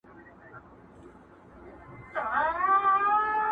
که لومړۍ ورځ يې پر غلا واى زه ترټلى٫